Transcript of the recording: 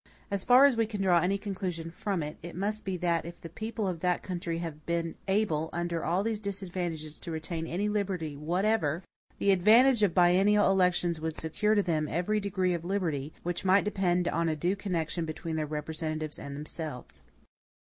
As far as we can draw any conclusion from it, it must be that if the people of that country have been able under all these disadvantages to retain any liberty whatever, the advantage of biennial elections would secure to them every degree of liberty, which might depend on a due connection between their representatives and themselves.